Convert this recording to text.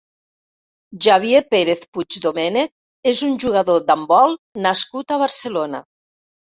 Xavier Pérez Puigdomènech és un jugador d'handbol nascut a Barcelona.